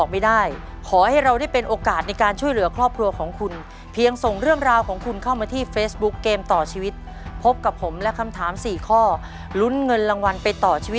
เสาร์และวันอาทิตย์เวลาทุ่ม๑๕นาที